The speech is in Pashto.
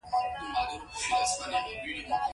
که خواران دي که مال دار دي